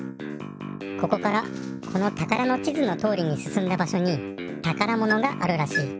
ここからこのたからの地図のとおりにすすんだばしょにたからものがあるらしい。